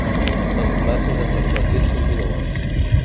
Les converses entre els partits continuen.